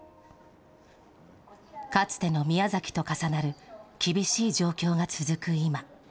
かつての宮崎と重なる厳しい状況が続く今。